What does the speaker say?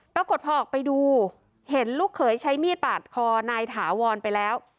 ปรากฏพอออกไปดูเห็นลูกเขยใช้มีดปาดคอนายถาวรไปแล้ว